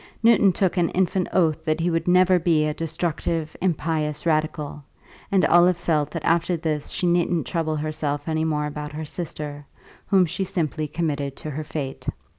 Newton took an infant oath that he would never be a destructive, impious radical, and Olive felt that after this she needn't trouble herself any more about her sister, whom she simply committed to her fate.